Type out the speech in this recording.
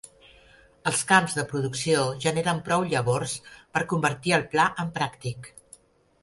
Els camps de producció generen prou llavors per convertir el pla en pràctic.